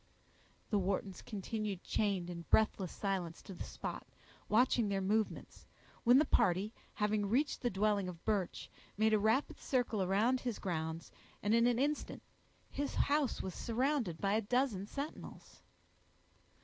The Whartons continued chained in breathless silence to the spot, watching their movements, when the party, having reached the dwelling of Birch, made a rapid circle around his grounds, and in an instant his house was surrounded by a dozen sentinels.